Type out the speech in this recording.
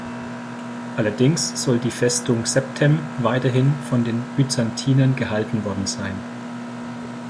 Allerdings soll die Festung Septem weiterhin von den Byzantinern gehalten worden sein.